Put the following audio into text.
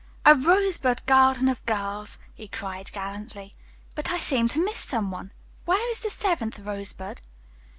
"A rosebud garden of girls," he cried gallantly, "but I seem to miss some one. Where is the seventh rosebud?"